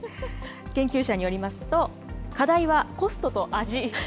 研究者によりますと、課題はコス